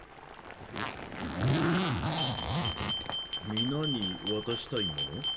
皆に渡したいもの？